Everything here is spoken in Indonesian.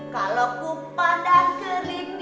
kalau ku pandang keripin tangan caw